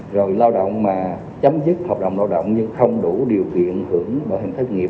rồi lao động mà chấm dứt hợp đồng lao động nhưng không đủ điều kiện hưởng vào hình thức nghiệp